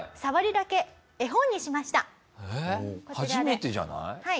初めてじゃない？